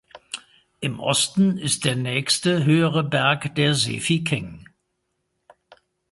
Im Osten ist der nächste höhere Berg der Sefikeng.